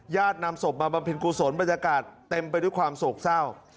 นำศพมาบำเพ็ญกุศลบรรยากาศเต็มไปด้วยความโศกเศร้า